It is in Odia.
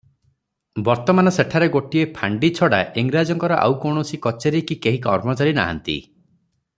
ବର୍ତ୍ତମାନ ସେଠାରେ ଗୋଟିଏ ଫାଣ୍ତି ଛଡ଼ା ଇଂରାଜଙ୍କର ଆଉ କୌଣସି କଚେରୀ କି କେହି କର୍ମଚାରୀ ନାହାନ୍ତି ।